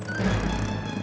gapit remnya belum